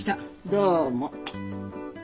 どうも。